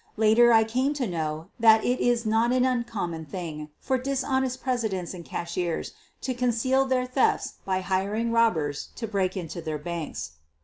Later I came to know that it is not an uncommon thing for dishonest presidents and cashiers to con ceal their thefts by hiring robbers to break into their banks.